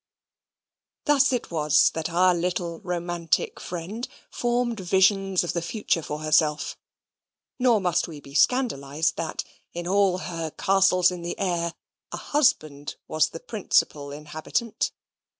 Thus it was that our little romantic friend formed visions of the future for herself nor must we be scandalised that, in all her castles in the air, a husband was the principal inhabitant.